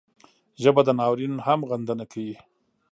ژبه د ناورین هم غندنه کوي